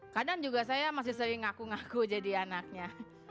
kadang juga saya masih sering ngaku ngaku jadi anaknya